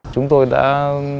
chúng tôi đã